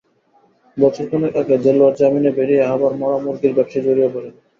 বছর খানেক আগে দেলোয়ার জামিনে বেরিয়ে আবার মরা মুরগির ব্যবসায় জড়িয়ে পড়েন।